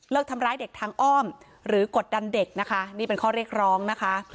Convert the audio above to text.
ทำร้ายเด็กทางอ้อมหรือกดดันเด็กนะคะนี่เป็นข้อเรียกร้องนะคะ